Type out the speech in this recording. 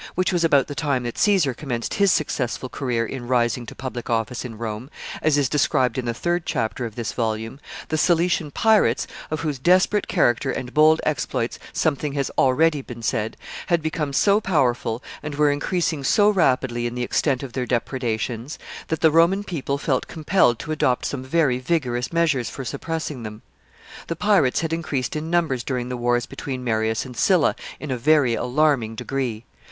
67, which was about the time that Caesar commenced his successful career in rising to public office in Rome, as is described in the third chapter of this volume, the Cilician pirates, of whose desperate character and bold exploits something has already been said, had become so powerful, and were increasing so rapidly in the extent of their depredations, that the Roman people felt compelled to adopt some very vigorous measures for suppressing them. The pirates had increased in numbers during the wars between Marius and Sylla in a very alarming degree.